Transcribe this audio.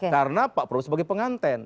karena pak prabowo sebagai penganten